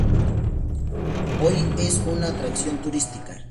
Hoy es una atracción turística.